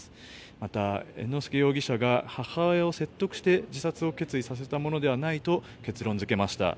また、猿之助容疑者が母親を説得して自殺を決意させたものではないと結論付けました。